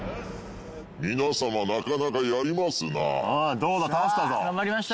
皆様なかなかやりますな頑張りました